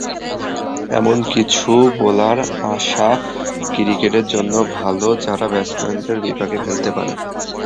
এমন কিছু বোলার আসা ক্রিকেটের জন্যই ভালো, যারা ব্যাটসম্যানদের বিপাকে ফেলতে পারে।